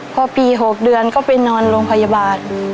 พอปี๖เดือนก็ไปนอนโรงพยาบาล